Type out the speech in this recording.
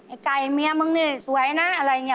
ไก่เมียมึงนี่สวยนะอะไรอย่างนี้